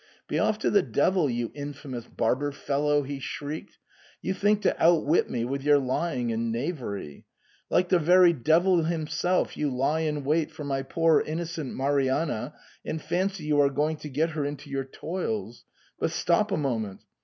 ' Be off to the devil, you infamous barber fel low,' he shrieked ; 'you think to outwit me with your lying and knavery. Like the very devil himself, you lie in wait for my poor innocent Marianna, and fancy you are going to get her into your toils — ^but stop a moment